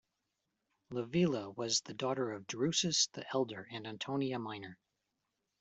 Livilla was the daughter of Drusus the Elder and Antonia Minor.